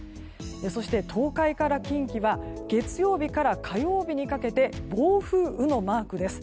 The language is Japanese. そして、東海から近畿は月曜日から火曜日にかけて暴風雨のマークです。